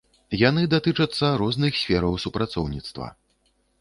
Яны датычацца розных сфераў супрацоўніцтва.